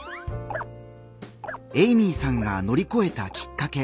エイミーさんが乗り越えたきっかけ